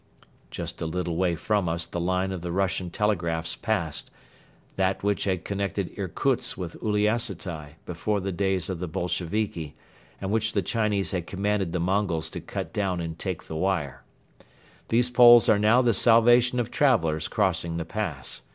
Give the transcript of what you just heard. Just a little way from us the line of the Russian telegraphs passed, that which had connected Irkutsk with Uliassutai before the days of the Bolsheviki and which the Chinese had commanded the Mongols to cut down and take the wire. These poles are now the salvation of travelers crossing the pass.